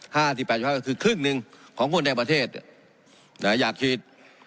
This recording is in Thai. ห้าสิบแปดเฉพาะก็คือครึ่งหนึ่งของคนในประเทศนะอยากฉีด